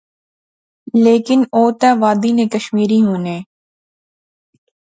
لیکن او تہ وادی نے کشمیری ہونے